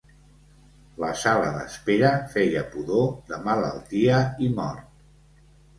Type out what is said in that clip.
La sala d'espera feia pudor de malaltia i mort.